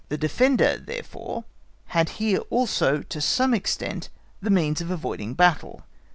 The defender therefore had here also to some extent the means of avoiding battle.